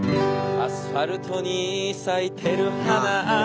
「アスファルトに咲いてる花好き」